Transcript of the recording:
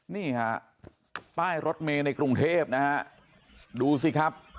นี่ฮะป้ายรถเมย์ในกรุงเทพนะฮะดูสิครับ